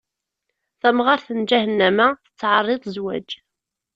Tamɣaṛt n lǧahennama, tettɛeṛṛiḍ zzwaǧ.